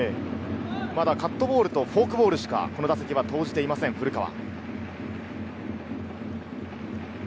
まだカットボールとフォークボールしかこの打席は投じていません、古川。